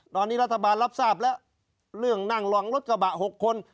ตอนนี้รัฐบาลรับทราบแล้วเรื่องนั่งรองรถกระบะ๖คน